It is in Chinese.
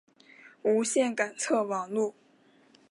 无线感测网路。